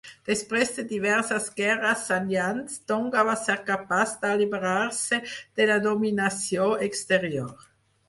Després de diverses guerres sagnants, Tonga va ser capaç d'alliberar-se de la dominació exterior.